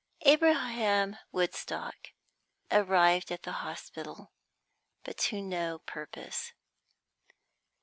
Abraham Woodstock arrived at the hospital, but to no purpose.